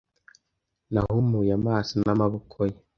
Nahumuye amaso n'amaboko ye